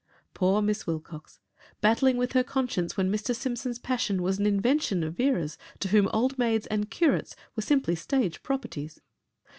Poor Miss Wilcox, battling with her conscience when Mr. Simpson's passion was an invention of Vera's to whom old maids and curates were simply stage properties.